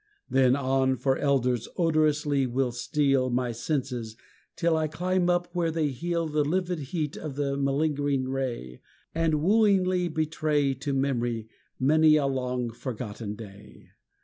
Then on, for elders odorously will steal My senses till I climb up where they heal The livid heat of its malingering ray, And wooingly betray To memory many a long forgotten day.